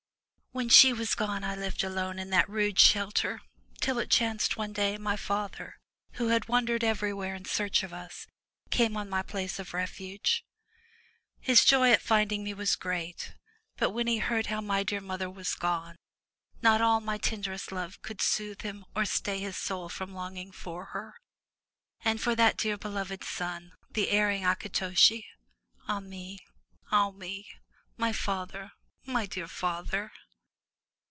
When she was gone, I lived alone in that rude shelter, till it chanced one day my father who had wandered everywhere in search of us, came on my place of refuge. His joy at finding me was great, but when he heard how my dear mother was gone, not all my tenderest love could soothe him or stay his soul from longing for her, and for that dear beloved son, the erring A ki to'shi. Oh me! Ah me! my father, my dear father!''